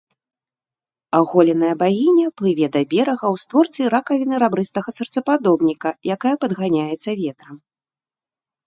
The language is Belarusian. Аголеная багіня плыве да берага ў створцы ракавіны рабрыстага сэрцападобніка, якая падганяецца ветрам.